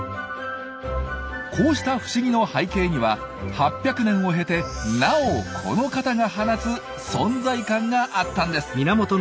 こうした不思議の背景には８００年を経てなおこの方が放つ存在感があったんです。